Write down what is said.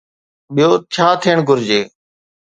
ٻيو ڇا ٿيڻ گهرجي؟